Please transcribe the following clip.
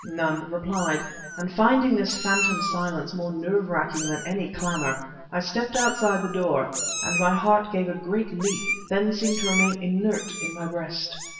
None replied; and finding this phantom silence more nerve racking than any clamor, I stepped outside the door and my heart gave a great leap, then seemed to remain inert, in my breast....